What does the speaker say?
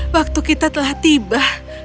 waktu kita telah tiba